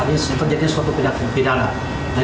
ini terjadi suatu pindahan